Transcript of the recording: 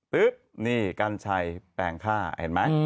ปุ๊บนี่กัญชัยแปลงค่าเห็นไหม